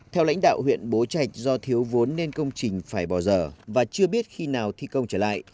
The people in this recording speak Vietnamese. theo lãnh đạo huyện bố trạch do thiếu vốn nên công trình phải bỏ dở và chưa biết khi nào thi công trở lại